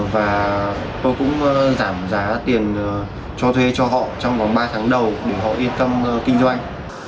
và tôi cũng giảm giá tiền cho thuê cho họ trong vòng ba tháng đầu để họ yên tâm kinh doanh